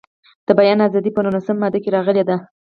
د بیان ازادي په نولسمه ماده کې راغلې ده.